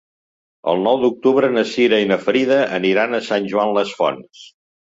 El nou d'octubre na Cira i na Frida aniran a Sant Joan les Fonts.